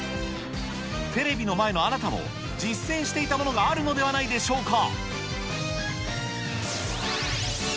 テレビの前のあなたも実践していたものがあるのではないでしょうか。